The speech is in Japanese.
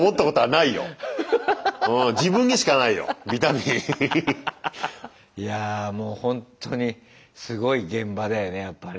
いやぁもうほんとにすごい現場だよねやっぱね。